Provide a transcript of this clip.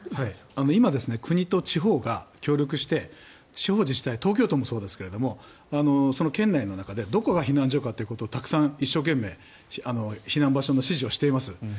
今、国と地方が協力して地方自治体、東京都もそうですが県内の中でどこが避難所かということをたくさん一生懸命避難場所の指示をしています。